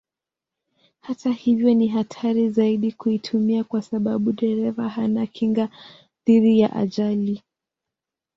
Hata hivyo ni hatari zaidi kuitumia kwa sababu dereva hana kinga dhidi ya ajali.